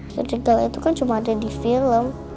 serigala itu kan cuma ada di film